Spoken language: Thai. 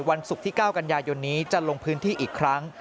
วันศุกร์ที่๙กันยายนนี้จะลงพื้นที่อีกครั้ง